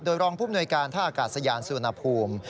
โดยรองภูมิหน่วยการท่าอากาศยานสุวรรณภูมิ